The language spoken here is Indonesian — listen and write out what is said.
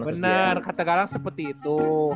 bener kata galang seperti itu